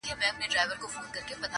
نه یې ختم تر مابین سول مجلسونه٫